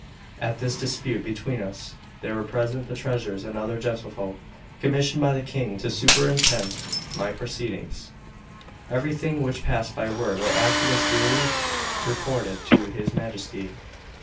At this dispute between us there were present the treasurers and other gentlefolk commissioned by the King to superintend my proceedings. Everything which passed by word or act was duly reported to his Majesty.